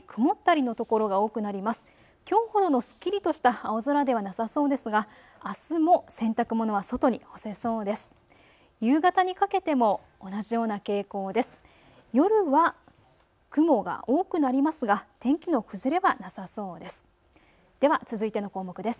夕方にかけても同じような傾向です。